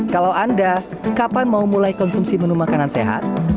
kalau anda kapan mau mulai konsumsi menu makanan sehat